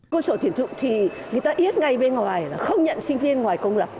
cơ sở tuyển dụng thì người ta ít ngay bên ngoài là không nhận sinh viên ngoài công lập